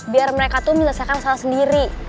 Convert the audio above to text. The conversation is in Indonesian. biar mereka tuh menyelesaikan masalah sendiri